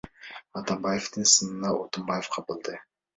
Атамбаевдин сынына Отунбаева кабылды.